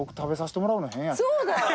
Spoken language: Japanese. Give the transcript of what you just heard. そうだよ！